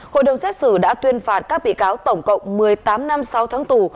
hội đồng xét xử đã tuyên phạt các bị cáo tổng cộng một mươi tám năm sáu tháng tù